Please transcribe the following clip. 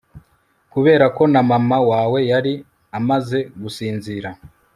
kubera ko na mama wawe yari amaze gusinzira